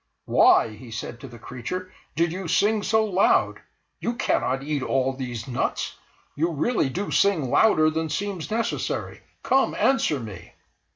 "Why," he said to the creature, "did you sing so loud? You cannot eat all these nuts. You really do sing louder than seems necessary; come, answer me!"